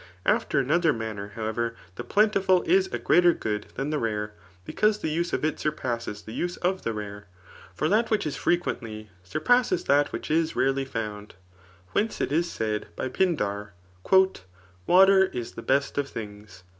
After another manner, however, the plentiful is a greater good than the rare, because the use of it surpasses [the use of therare»3 War that which is frequently, surpasses that which is leardy found ; whence it is said [by Pindar,3 " Water is the best of things.